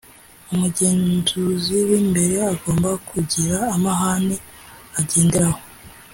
umugenzuzi w’imbere agomba kugira amahame agenderaho